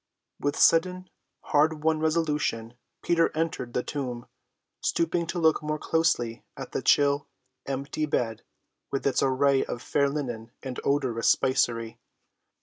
With sudden, hard‐won resolution Peter entered the tomb, stooping to look more closely at the chill, empty bed with its array of fair linen and odorous spicery.